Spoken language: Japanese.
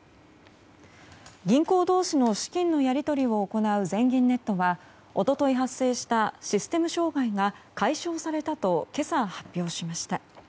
銀行同士の資金のやり取りを行う全銀ネットは一昨日発生したシステム障害が解消されたと今朝発表しました。